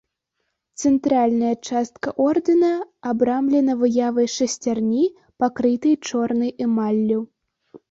Цэнтральная частка ордэна абрамлена выявай шасцярні, пакрытай чорнай эмаллю.